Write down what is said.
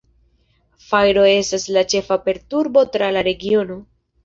Fajro estas la ĉefa perturbo tra la regiono.